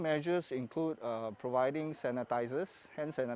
menyediakan sanitasi tangan di lokasi utama